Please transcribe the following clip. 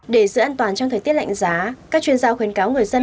để giữ an toàn trong thời tiết lạnh giá các chuyên gia khuyến cáo người dân